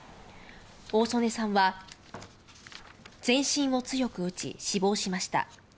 大曽根さんは全身を強く打ち死亡しました。